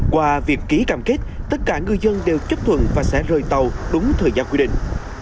qua việc ký cam kết tất cả ngư dân đều chấp thuận và sẽ rời tàu đúng thời gian quy định